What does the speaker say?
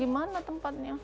di mana tempatnya